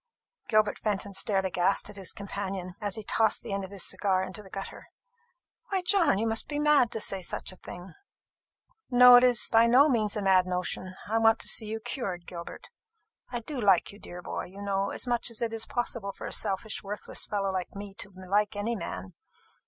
Gilbert Fenton stared aghast at his companion, as he tossed the end of his cigar into the gutter. "Why, John, you must be mad to say such a thing." "No, it is by no means a mad notion. I want to see you cured, Gilbert. I do like you, dear boy, you know, as much as it is possible for a selfish worthless fellow like me to like any man.